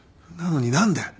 なのに何で。